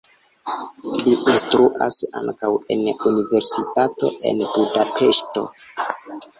Li instruas ankaŭ en universitato en Budapeŝto.